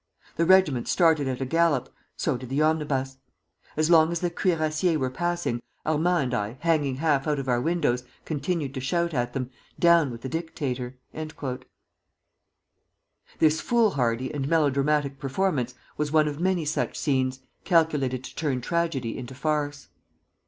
The regiment started at a gallop, so did the omnibus. As long as the Cuirassiers were passing, Armand and I, hanging half out of our windows, continued to shout at them, 'Down with the dictator!'" This foolhardy and melodramatic performance was one of many such scenes, calculated to turn tragedy into farce.